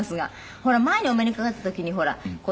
ほら前にお目にかかった時にほらなんていうんです？